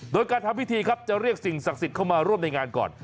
โดยการทำพิธีครับจะเรียกสิ่งศักดิ์สิทธิ์เข้ามาร่วมในงานก่อน